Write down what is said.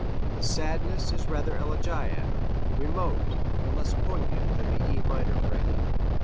The sadness is rather elegiac, remote, and less poignant than in the E minor prelude.